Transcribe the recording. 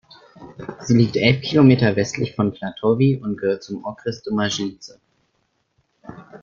Sie liegt elf Kilometer westlich von Klatovy und gehört zum Okres Domažlice.